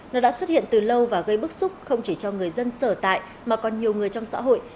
nó đã xuất hiện từ lâu và gây bức xúc không chỉ cho người dân sở tại mà còn nhiều người trong xã hội